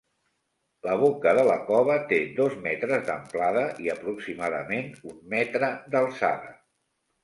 La boca de la cova té dos metres d'amplada i aproximadament un metre d'alçada.